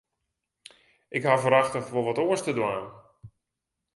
Ik haw wrachtich wol wat oars te dwaan.